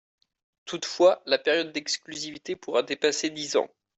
Toutefois, la période d’exclusivité pourra dépasser dix ans.